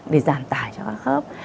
để giảm tải cho các khớp